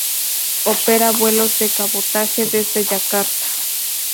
Opera vuelos de cabotaje desde Yakarta.